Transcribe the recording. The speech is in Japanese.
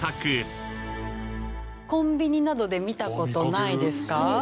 コンビニなどで見た事ないですか？